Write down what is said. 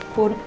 ya ampun om